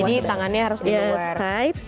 jadi tangannya harus di luar